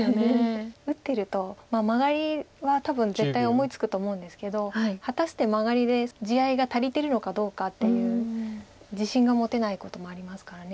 打ってるとマガリは多分絶対思いつくと思うんですけど果たしてマガリで地合いが足りてるのかどうかっていう自信が持てないこともありますから。